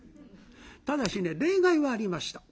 ただしね例外はありました。